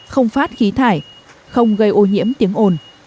không phát khí thải không gây ô nhiễm tiếng ồn